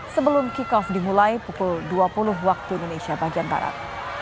sebelum kick off dimulai pukul dua puluh waktu indonesia bagian barat